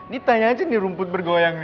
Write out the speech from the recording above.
ditanya aja nih rumput bergoyang